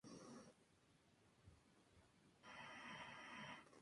A continuación describe en detalle el acto del juramento.